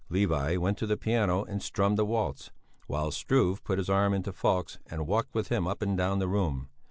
Levi went to the piano and strummed a waltz, while Struve put his arm into Falk's and walked with him up and down the room.